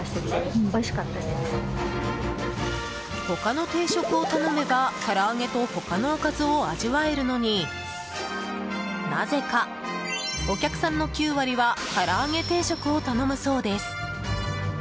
他の定食を頼めば、から揚げと他のおかずを味わえるのになぜか、お客さんの９割はからーげ定食を頼むそうです。